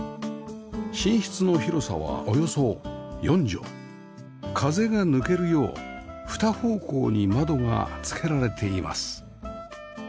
寝室の広さはおよそ４畳風が抜けるよう２方向に窓がつけられています